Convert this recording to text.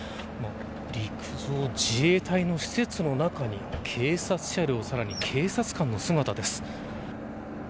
陸上自衛隊の施設の中に警察車両さらに警察官の姿です。